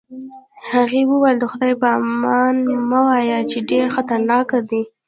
هغې وویل: د خدای په امان مه وایه، چې ډېر خطرناک دی.